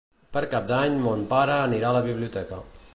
Per Cap d'Any mon pare anirà a la biblioteca.